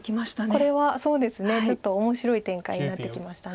これはそうですねちょっと面白い展開になってきました。